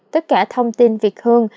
tất cả thông tin việt hương